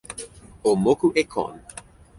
o moku e kon!